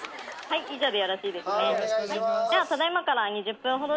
以上でよろしいですね。